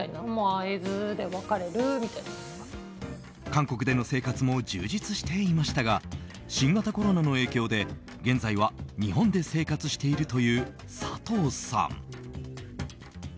韓国での生活も充実していましたが新型コロナの影響で現在は日本で生活しているという佐藤さん。